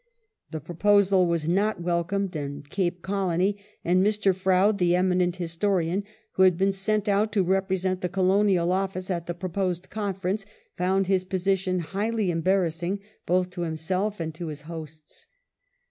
2 The proposal was not welcomed in Cape Colony, and Mr. Froude, the eminent historian, who had been sent out to represent the Colonial Office at the proposed Confei'ence, found his position highly embarrassing both to himself and to his hosts.